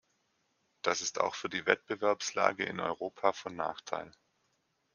Das ist auch für die Wettbewerbslage in Europa von Nachteil.